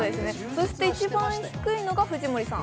そして一番低いのが藤森さん。